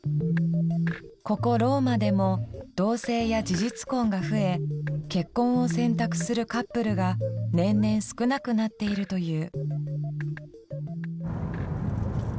ここローマでも同棲や事実婚が増え結婚を選択するカップルが年々少なくなっているという。